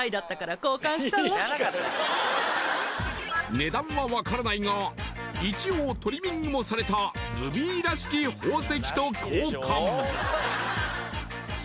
値段は分からないが一応トリミングもされたルビーらしき宝石と交換